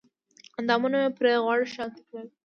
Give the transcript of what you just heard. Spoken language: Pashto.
اندامونه مې پرې غوړ شانتې کړل